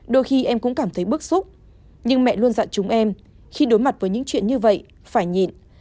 đôi khi em cũng cảm thấy bức xúc nhưng mẹ luôn dặn chúng em khi đối mặt với những chuyện như vậy phải nhìn